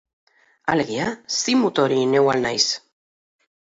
Alegia, Simut hori neu al naiz?